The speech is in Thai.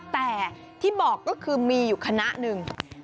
แต่ที่บอกก็คือมีอยู่คณะหนึ่ง